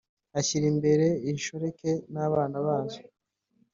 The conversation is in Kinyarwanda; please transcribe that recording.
Ashyira imbere inshoreke n abana bazo